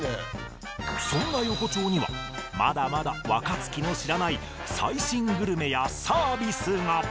そんな横丁にはまだまだ若槻の知らない最新グルメやサービスが。